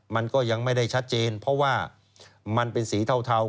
มันก็ยังไม่ได้ชัดเจนเพราะว่ามันเป็นสีเทา